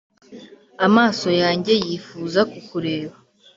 Amaso yanjye yifuza kukureba ,